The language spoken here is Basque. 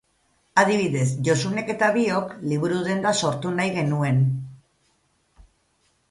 Adibidez, Josunek eta biok liburu-denda sortu nahi genuen.